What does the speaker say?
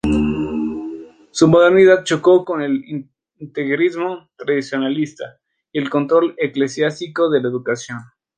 Su modernidad chocó con el integrismo tradicionalista y el control eclesiástico de la educación.